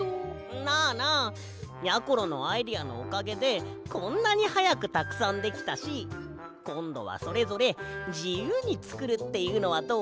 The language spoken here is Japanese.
なあなあやころのアイデアのおかげでこんなにはやくたくさんできたしこんどはそれぞれじゆうにつくるっていうのはどう？